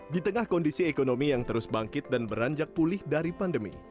di tengah kondisi ekonomi yang terus bangkit dan beranjak pulih dari pandemi